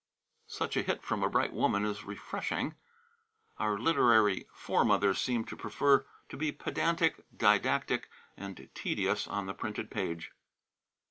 Such a hit from a bright woman is refreshing. Our literary foremothers seemed to prefer to be pedantic, didactic, and tedious on the printed page.